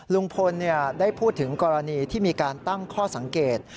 ลุงพลได้พูดถึงกรณีที่มีการตั้งข้อสังเกต